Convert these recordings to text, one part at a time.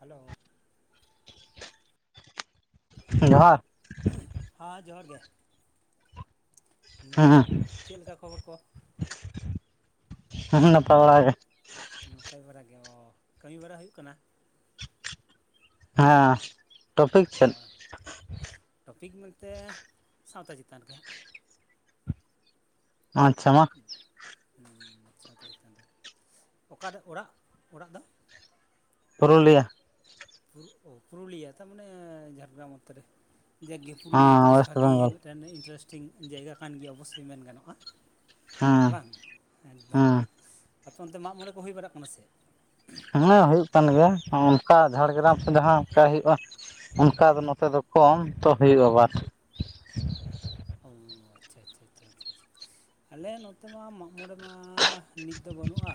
Hello ᱦᱮᱸ ᱡᱚᱦᱟᱨ᱾ ᱦᱟᱸ ᱡᱚᱦᱟᱨ ᱜᱮ᱾ ᱦᱟᱸ, ᱫᱤᱭᱮ ᱪᱮᱫ ᱞᱮᱠᱟ ᱠᱷᱚᱵᱚᱨ ᱠᱚ ᱦᱟᱸ, ᱦᱮᱸ, ᱱᱟᱯᱟᱭ ᱵᱟᱲᱟ ᱜᱮ᱾ ᱱᱟᱯᱟᱭ ᱵᱟᱲᱟᱜᱮ ᱚ, ᱠᱟᱹᱢᱤ ᱵᱟᱲᱟ ᱦᱳᱭᱳᱜ ᱠᱟᱱᱟ? ᱦᱮᱸ ᱴᱚᱯᱤᱠ ᱚ ᱪᱮᱫ ᱴᱚᱯᱤᱠ ᱢᱮᱱᱛᱮ, ᱥᱟᱶᱛᱟ ᱪᱮᱛᱟᱱ ᱨᱮᱜᱮ ᱾ ᱟᱪᱪᱷᱟ ᱢᱟ᱾ ᱦᱩᱸ ᱟᱪᱪᱷᱟ ᱛᱚᱵᱮ ᱛᱟᱦᱚᱞᱮ, ᱚᱠᱟᱨᱮ ᱚᱲᱟᱜ, ᱚᱲᱟᱜ ᱫᱚ? ᱯᱩᱨᱩᱞᱤᱭᱟ᱾ ᱯᱩᱨᱩᱜ ᱚ ᱯᱩᱨᱩᱞᱤᱭᱟ, ᱛᱟᱢᱟᱱᱮ ᱡᱷᱟᱲᱜᱨᱟᱢ ᱚᱱᱛᱮ ᱨᱮ᱾ ᱡᱟᱠᱜᱮ ᱯᱩᱨᱩᱞᱤᱭᱟᱹ ᱦᱮᱸ ᱫᱚ ᱵᱮᱥ ᱳᱭᱮᱥᱴ ᱵᱷᱟᱜᱮ, ᱵᱮᱝᱜᱚᱞ ᱢᱮᱫᱴᱮᱱ ᱤᱱᱴᱟᱨᱮᱥᱴᱤᱝ ᱡᱟᱭᱜᱟ ᱠᱟᱱ ᱜᱮᱭᱟ ᱚᱵᱚᱥᱥᱳᱭ ᱢᱮᱱ ᱜᱟᱱᱚᱜᱼᱟ᱾ ᱦᱮᱸ ᱵᱟᱝ ᱮᱠᱫᱚᱢ, ᱦᱮᱸ ᱟᱯᱮ ᱚᱱᱛᱮ ᱢᱟᱜ ᱢᱚᱬᱮ ᱠᱚ ᱦᱳᱭ ᱵᱟᱲᱟᱜ ᱠᱟᱱᱟ ᱥᱮ? ᱦᱮᱸ ᱦᱳᱭᱳᱜ ᱠᱟᱱ ᱜᱮᱭᱟ, ᱚᱱᱠᱟ ᱡᱷᱟᱲᱜᱨᱟᱢ ᱠᱚ ᱡᱟᱦᱟᱸ ᱚᱝᱠᱟᱭ ᱦᱳᱭᱳᱜᱼᱟ᱾ ᱚᱱᱠᱟ ᱫᱚ ᱱᱚᱛᱮ ᱫᱚ ᱠᱚᱢ, ᱛᱚ ᱦᱳᱭᱳᱜᱼᱟ ᱵᱟᱴ ᱚᱸ, ᱟᱪᱪᱷᱟᱻ ᱟᱪᱪᱷᱟᱻ ᱟᱪᱪᱷᱟᱻ ᱟᱪᱪᱷᱟ᱾ ᱟᱞᱮ ᱱᱚᱛᱮ ᱢᱟ ᱢᱟᱜ ᱢᱚᱬᱮ ᱢᱟ ᱱᱤᱛ ᱫᱚ ᱵᱟᱹᱱᱩᱜᱼᱟ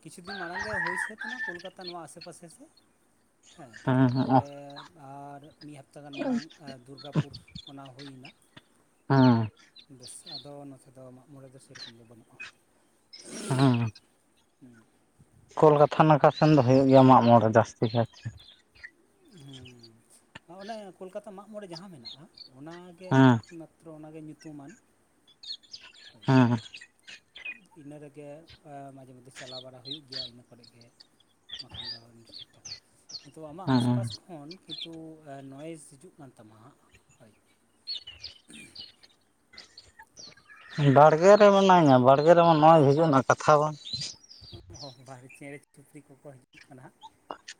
ᱠᱤᱪᱷᱩ ᱫᱤᱱ ᱢᱟᱲᱟᱝ ᱜᱮ ᱦᱳᱭ ᱥᱟᱹᱛ ᱱᱟ ᱠᱳᱞᱠᱟᱛᱟ ᱱᱚᱣᱟ ᱟᱥᱮ ᱯᱟᱥᱮ ᱥᱮᱜ ᱦᱮᱸ ᱛᱟᱨᱯᱚᱨᱮ ᱟᱨ ᱢᱤᱫ ᱦᱟᱯᱛᱟ ᱜᱟᱱ ᱢᱟᱲᱟᱝ ᱫᱩᱨᱜᱟᱯᱩᱨ ᱚᱱᱟ ᱦᱩᱭ ᱮᱱᱟ ᱦᱩᱸ ᱵᱮᱥ ᱟᱫᱚ ᱱᱚᱛᱮ ᱫᱚ ᱢᱟᱜᱢᱚᱬᱮ ᱫᱚ ᱥᱮᱨᱚᱠᱚᱢ ᱫᱚ ᱵᱟᱹᱱᱩᱜᱼᱟ ᱦᱩᱸ ᱠᱳᱞᱠᱟᱛᱷᱟ ᱱᱟᱠᱷᱟ ᱥᱮᱱ ᱫᱚ ᱦᱳᱭᱳᱜ ᱜᱮᱭᱟ ᱢᱟᱜ ᱢᱚᱬᱮ ᱡᱟᱹᱥᱛᱤ ᱠᱟᱭᱛᱮ ᱦᱩᱸ ᱚᱱᱮ ᱠᱳᱞᱠᱟᱛᱟ ᱢᱟᱜ ᱢᱚᱬᱮ ᱡᱟᱦᱟᱸ ᱢᱮᱱᱟᱜᱼᱟ ᱚᱱᱟᱜᱮ ᱦᱮᱸ ᱛᱚᱵᱮ ᱚᱱᱟᱜᱮ ᱧᱩᱛᱩᱢᱟᱱ ᱦᱳᱭ ᱦᱩᱸ ᱤᱱᱟᱹ ᱨᱮᱜᱮ ᱟ ᱢᱟᱡᱷᱮ ᱢᱚᱫᱽᱫᱷᱮ ᱪᱟᱞᱟᱣ ᱵᱟᱲᱟ ᱦᱩᱭᱩᱜ ᱜᱮᱭᱟ ᱤᱱᱟᱹ ᱠᱚᱨᱮᱜ ᱜᱮ ᱵᱟᱠᱷᱟᱱ ᱫᱚ [unintelligible] ᱠᱤᱱᱛᱩ ᱟᱢᱟᱜ ᱦᱮᱸ ᱟᱥᱯᱟᱥ ᱠᱷᱚᱱ ᱠᱤᱱᱛᱩ ᱮ ᱱᱚᱭᱮᱥ ᱦᱤᱡᱩᱜ ᱠᱟᱱ ᱛᱟᱢᱟ ᱦᱟᱸᱜ [unintelligible] ᱵᱟᱲᱜᱮ ᱨᱮ ᱢᱤᱱᱟᱹᱧᱟ ᱵᱟᱲᱜᱮ ᱨᱮ ᱢᱟ ᱱᱚᱭ ᱦᱤᱡᱩᱜ ᱱᱟᱜ ᱠᱟᱛᱷᱟ ᱵᱟᱝ [unintelligible] ᱵᱟᱨᱦᱮ ᱪᱮᱬᱮ ᱪᱩᱯᱨᱤ ᱠᱚᱠᱚ ᱦᱤᱡᱩᱜ ᱠᱟᱱᱟ ᱦᱟᱸᱜ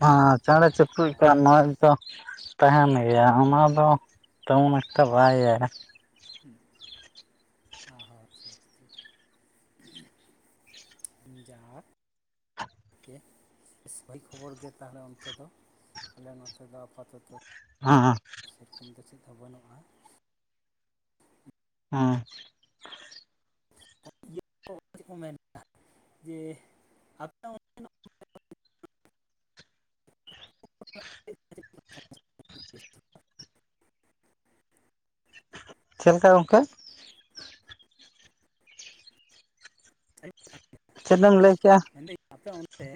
ᱦᱟᱸ ᱪᱮᱬᱮ ᱚ ᱪᱩᱯᱲᱤ ᱠᱟᱣᱟᱜ ᱱᱚᱭᱮᱥ ᱫᱚ ᱛᱟᱦᱮᱱ ᱜᱮᱭᱟ ᱚᱱᱟ ᱫᱚ ᱛᱮᱢᱚᱱ ᱮᱠᱴᱟ ᱵᱟᱭ ᱤᱭᱟᱹᱭᱟ ᱦᱚ ᱦᱚ [unintelligible] ᱡᱟᱦᱟ ᱜᱮ ᱵᱮᱥ ᱵᱟᱹᱲᱤᱡ ᱠᱷᱚᱵᱚᱨ ᱜᱮ ᱛᱟᱦᱞᱮ ᱚᱱᱛᱮ ᱫᱚ ᱟᱞᱮ ᱱᱚᱛᱮ ᱫᱚ ᱟᱯᱟᱛᱚᱛᱚ ᱦᱟᱸ ᱦᱟᱸ ᱥᱮᱨᱚᱠᱚᱢ ᱫᱚ ᱪᱮᱫ ᱦᱚᱸ ᱵᱟᱹᱱᱩᱜᱼᱟ ᱦᱮᱸ [unintelligible] ᱪᱮᱫ ᱠᱚ ᱢᱮᱱᱫᱟ [unintelligible] [unintelligible] [unintelligible] ᱪᱮᱞᱠᱟ ᱜᱚᱝᱠᱮ [unintelligible] ᱪᱮᱫᱮᱢ ᱞᱟᱹᱭ ᱠᱮᱜᱼᱟ ᱢᱮᱱ ᱫᱟᱹᱧ ᱟᱯᱮ ᱚᱱᱛᱮ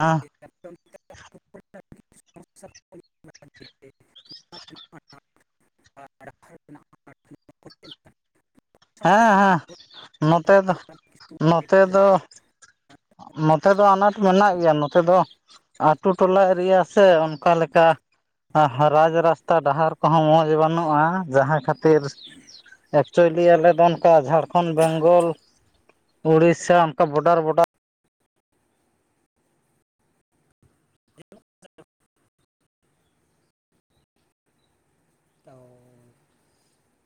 ᱦᱮᱸ [unintelligible] [unintelligible] ᱦᱮᱸ ᱦᱮᱸ ᱟᱹᱰᱤ ᱱᱚᱛᱮ ᱫᱚ ᱢᱟᱨᱟᱝ ᱠᱤᱪᱷᱩ ᱱᱚᱛᱮ ᱫᱚ ᱱᱚᱛᱮ ᱫᱚ ᱟᱱᱟᱴ ᱢᱮᱱᱟᱜ ᱜᱮᱭᱟ, ᱱᱚᱛᱮ ᱫᱚ ᱟᱛᱩ ᱴᱚᱞᱟ ᱮᱨᱤᱭᱟ ᱥᱮ ᱚᱱᱠᱟ ᱞᱮᱠᱟ ᱼᱼ ᱨᱟᱡᱽ ᱨᱟᱥᱛᱟ ᱰᱟᱦᱟᱨ ᱠᱚᱦᱚᱸ ᱢᱚᱡᱽ ᱵᱟᱹᱱᱩᱜᱼᱟ, ᱡᱟᱦᱟᱸ ᱠᱷᱟᱹᱛᱤᱨᱼᱼ ᱮᱠᱪᱩᱭᱮᱞᱤ, ᱟᱞᱮ ᱫᱚ ᱚᱱᱠᱟ ᱡᱷᱟᱲᱠᱷᱚᱸᱰ ᱵᱮᱝᱜᱚᱞᱼᱼ ᱩᱲᱤᱥᱟ ᱚᱱᱠᱟ ᱵᱚᱰᱟᱨ ᱵᱚᱰᱟᱨᱼᱼ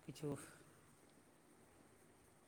ᱠᱤᱪᱷᱩᱼᱼ